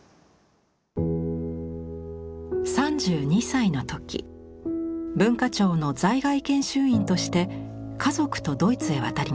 ３２歳の時文化庁の在外研修員として家族とドイツへ渡ります。